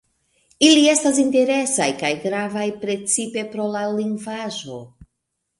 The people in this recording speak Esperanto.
Ili estas interesaj kaj gravaj precipe pro la lingvaĵo.